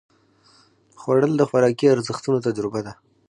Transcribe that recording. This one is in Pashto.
خوړل د خوراکي ارزښتونو تجربه ده